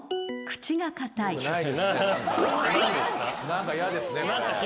何か嫌ですねこれ。